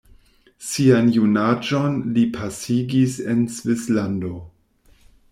Sian junaĝon li pasigis en Svislando.